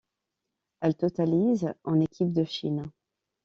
Elle totalise en équipe de Chine.